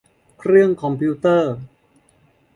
เครื่องคอมพิวเตอร์